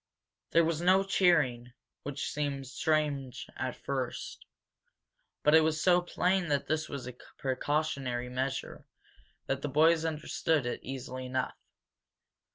There was no cheering, which seemed strange at first, but it was so plain that this was a precautionary measure that the boys understood it easily enough.